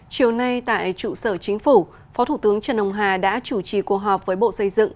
chiều nay tại trụ sở chính phủ phó thủ tướng trần ông hà đã chủ trì cuộc họp với bộ xây dựng